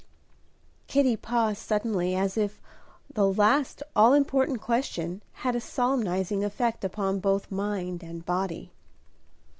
Kitty paused suddenly, as if the last all important question had a solemnizing effect upon both mind and body.